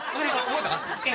覚えたか？